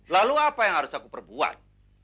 lalu apa yang harus aku perbuat